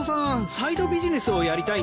サイドビジネスをやりたいんですか？